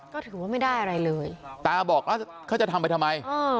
ก็ถือว่าไม่ได้อะไรเลยตาบอกแล้วเขาจะทำไปทำไม